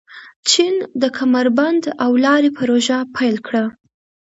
چین د کمربند او لارې پروژه پیل کړه.